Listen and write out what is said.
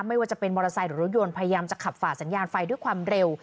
ไม่ว่าจะเป็นมอเตอร์ไซค์หรือรถยนต์พยายามจะขับฝ่าสัญญาณไฟด้วยความเร็ว